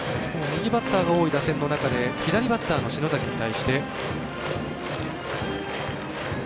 右バッターが多い打線の中左バッターの篠崎に対して。